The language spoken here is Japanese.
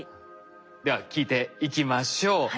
では聞いていきましょう。